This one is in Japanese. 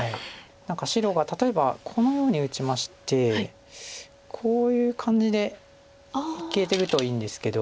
何か白が例えばこのように打ちましてこういう感じでいけるといいんですけど。